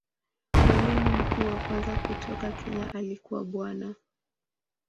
Mwalimu mkuu wa kwanza kutoka Kenya alikuwa Bwana.